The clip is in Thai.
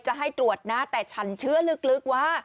จะให้ตรวจนะแต่ฉันเชื่อลึกว่า